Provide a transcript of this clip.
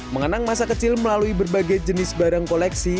mengenang masa kecil melalui berbagai jenis barang koleksi